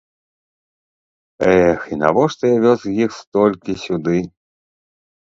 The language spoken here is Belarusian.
Эх, і навошта я вёз іх столькі сюды?